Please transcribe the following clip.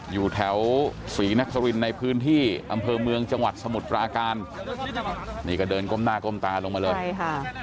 อยู่แถวศรีนครินในพื้นที่อำเภอเมืองจังหวัดสมุทรปราการนี่ก็เดินก้มหน้าก้มตาลงมาเลยใช่ค่ะ